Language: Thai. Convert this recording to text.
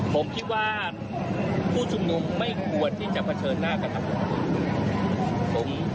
ผมคิดว่าผู้ชุมนุมไม่ควรที่จะเผชิญหน้ากันครับ